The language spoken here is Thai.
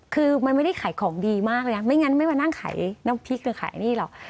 คือมันไม่ได้ขายของดีมากเลยนะไม่งั้นไม่มานั่งขายน้ำพริกหรือขายนี่หรอก